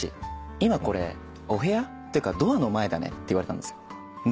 今これお部屋？っていうかドアの前だね」って言われたんですよ。